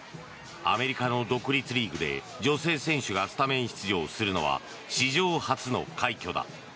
アメリカの独立リーグで女性選手がスタメン出場するのは史上初の快挙だ。